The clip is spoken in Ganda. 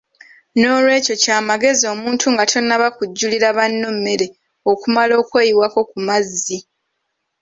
N'olwekyo kya magezi omuntu nga tonnaba kujjulira banno mmere okumala okweyiwako ku mazzi.